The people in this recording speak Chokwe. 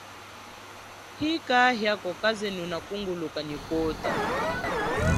Hi kahia ko kaze nuna kunguluka nyi kota.